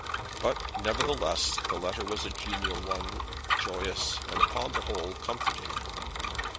But, nevertheless, the letter was a genial one, joyous, and, upon the whole, comforting.